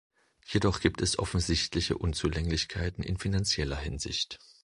Jedoch gibt es offensichtliche Unzulänglichkeiten in finanzieller Hinsicht.